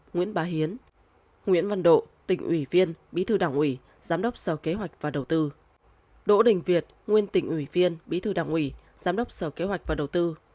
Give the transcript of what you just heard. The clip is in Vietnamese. nguyễn bá hiến nguyễn văn độ tỉnh ủy viên bí thư đảng ủy giám đốc sở kế hoạch và đầu tư đỗ đình việt nguyên tỉnh ủy viên bí thư đảng ủy giám đốc sở kế hoạch và đầu tư